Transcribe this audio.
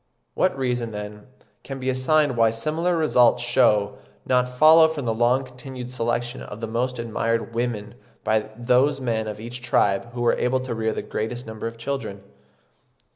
What reason, then, can be assigned why similar results should not follow from the long continued selection of the most admired women by those men of each tribe who were able to rear the greatest number of children?